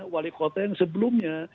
wali kota yang sebelumnya